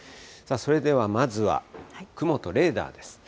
それではまずは、雲とレーダーです。